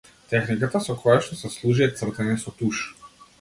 Техниката со која што се служи е цртање со туш.